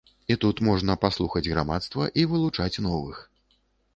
І тут можна паслухаць грамадства і вылучаць новых.